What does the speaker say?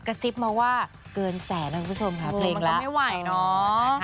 ซิบมาว่าเกินแสนนะคุณผู้ชมค่ะเพลงมันก็ไม่ไหวเนาะ